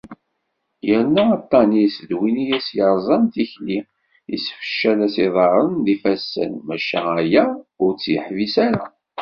Yerna aṭṭan-is d win i as-yerẓan tikli, yessefcel-as iḍarren d yifassen, maca aya ur tt-yeḥbis ara.